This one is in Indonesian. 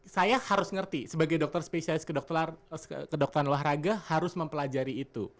saya harus ngerti sebagai dokter spesialis kedokteran olahraga harus mempelajari itu